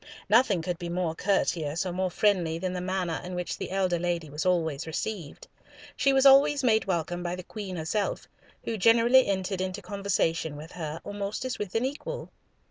Nothing could be more courteous or more friendly than the manner in which the elder lady was always received. She was always made welcome by the Queen herself, who generally entered into conversation with her almost as with an equal.